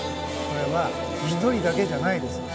これは１人だけじゃないです。